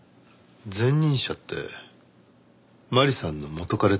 前任者って麻里さんの元カレって事？